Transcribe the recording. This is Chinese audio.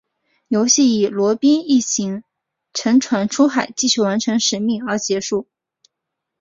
游戏以罗宾一行乘船出海继续完成使命而结束。